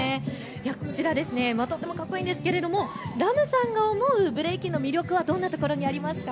こちら、とってもかっこいいんですがＲＡＭさんが思うブレイキンの魅力はどんなところにありますか？